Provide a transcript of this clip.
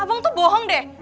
abang tuh bohong deh